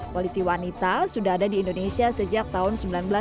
polisi wanita sudah ada di indonesia sejak tahun seribu sembilan ratus sembilan puluh